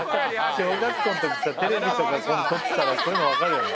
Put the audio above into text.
小学校の時さテレビとか撮ってたらこういうのわかるよね。